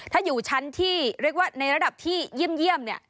ถ้าอยู่ชั้นที่เรียกว่าในระดับที่เยี่ยมเนี่ย